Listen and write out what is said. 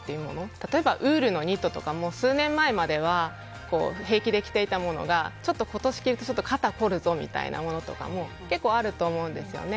例えばウールのニットとかも数年前までは平気で着ていたものが今年着ると肩凝るぞ見たいなものとかも結構あると思うんですよね。